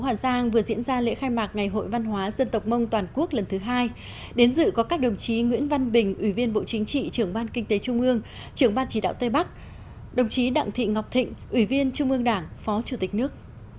hoàng giang vừa diễn ra lễ khai mạc ngày hội văn hóa dân tộc mông toàn quốc lần thứ hai đến dự có các đồng chí nguyễn văn bình ủy viên bộ chính trị trưởng ban kinh tế trung ương trưởng ban chỉ đạo tây bắc đồng chí đặng thị ngọc thịnh ủy viên trung ương đảng phó chủ tịch nước